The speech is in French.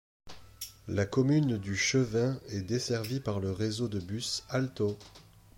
La commune du Chevain est desservie par le réseau de bus Alto.